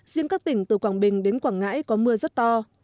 riêng các tỉnh từ quảng bình đến quảng ngãi có mưa rất to